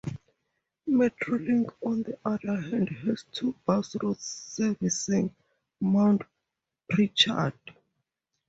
Metrolink, on the other hand, has two bus routes servicing Mount Pritchard.